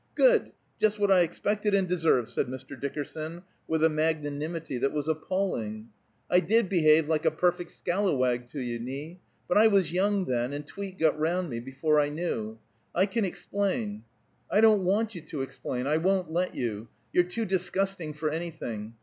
"Good! Just what I expected and deserved," said Mr. Dickerson, with a magnanimity that was appalling. "I did behave like a perfect scallawag to you, Nie; but I was young then, and Tweet got round me before I knew. I can explain " "I don't want you to explain! I won't let you. You're too disgusting for anything.